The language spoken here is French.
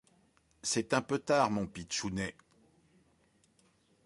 C’est un peu tard mon pitchounet.